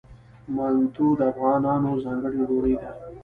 منتو د افغانانو ځانګړې ډوډۍ ده.